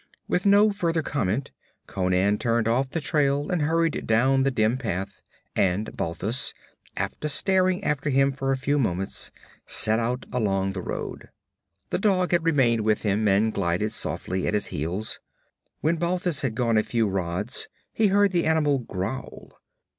With no further comment Conan turned off the trail and hurried down the dim path, and Balthus, after staring after him for a few moments, set out along the road. The dog had remained with him, and glided softly at his heels. When Balthus had gone a few rods he heard the animal growl.